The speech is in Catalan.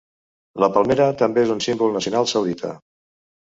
La palmera també és un símbol nacional saudita.